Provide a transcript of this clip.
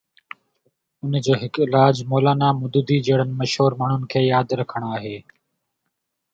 ان جو هڪ علاج مولانا مودودي جهڙن مشهور ماڻهن کي ياد رکڻ آهي.